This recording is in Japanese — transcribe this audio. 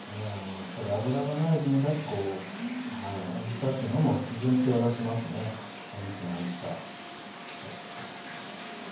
やっぱり脂がない分だけおいしさっていうのも非常に際立ちますねお肉のおいしさはぁええな